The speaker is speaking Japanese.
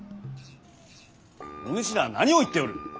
お主らは何を言っておる。